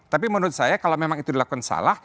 tapi menurut saya kalau memang itu dilakukan salah